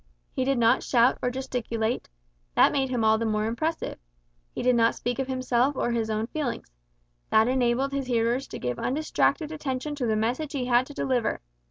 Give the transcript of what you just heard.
He did not shout or gesticulate: that made him all the more impressive. He did not speak of himself or his own feelings: that enabled his hearers to give undistracted attention to the message he had to deliver.